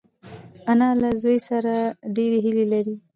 انا له زوی سره ډېرې هیلې لري